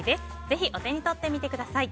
ぜひ、お手に取ってみてください。